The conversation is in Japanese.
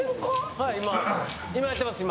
はい今やってます今。